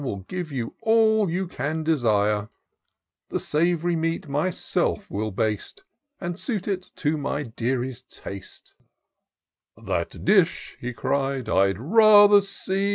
Will give you all you can desire ; The sav'ry meat myself will baste. And suit it to my deary's taste." " That dish," he cried, " I'd rather see.